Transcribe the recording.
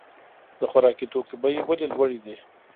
د خوراکي توکو بیې ولې لوړې دي؟